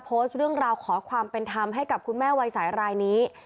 โพสต์เรื่องราวขอความเป็นธรรมให้กับคุณแม่วัยสายรายนี้